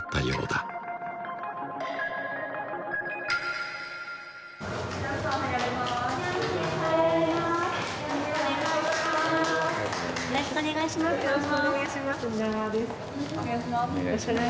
よろしくお願いします